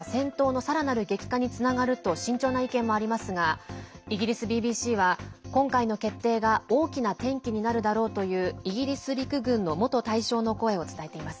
戦車の供与は戦闘のさらなる激化につながると慎重な意見もありますがイギリスＢＢＣは今回の決定が大きな転機になるだろうというイギリス陸軍の元大将の声を伝えています。